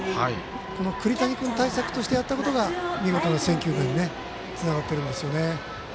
この栗谷君対策としてやったことが見事な選球眼につながっているんですよね。